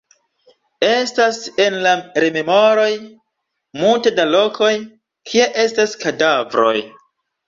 Estas en la rememoroj multe da lokoj, kie estas kadavroj.